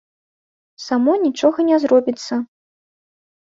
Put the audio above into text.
Само нічога не зробіцца.